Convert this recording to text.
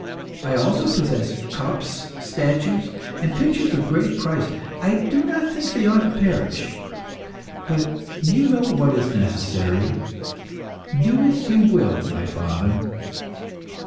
I also possess cups, statues, and pictures of great price. I do not think they ought to perish. But you know what is necessary. Do as you will, my father."